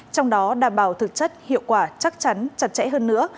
trong đó đảm bảo thực chất hiệu quả chắc chắn chặt chẽ hơn nữa